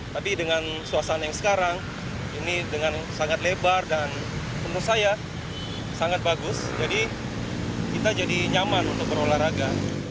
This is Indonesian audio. tapi dengan suasana yang sekarang ini dengan sangat lebar dan menurut saya sangat bagus jadi kita jadi nyaman untuk berolahraga